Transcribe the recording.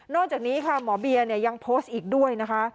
จากนี้ค่ะหมอเบียยังโพสต์อีกด้วยนะคะ